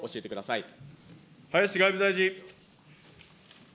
林外務大臣。